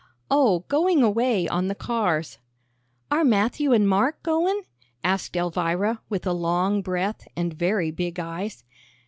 "Oh, going away on the cars." "Are Matthew and Mark goin'?" asked Elvira, with a long breath, and very big eyes.